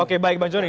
oke baik bang johnny